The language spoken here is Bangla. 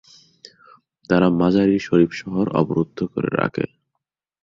তারা মাজার-ই-শরীফ শহর অবরুদ্ধ করে রাখে।